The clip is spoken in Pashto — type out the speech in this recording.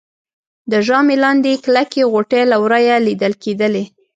د ژامې لاندې يې کلکې غوټې له ورایه لیدل کېدلې